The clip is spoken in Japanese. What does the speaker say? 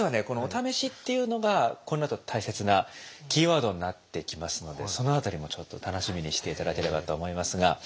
この「お試し」っていうのがこのあとの大切なキーワードになってきますのでその辺りもちょっと楽しみにして頂ければと思いますが。